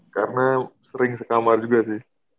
karena sering sekamar juga sih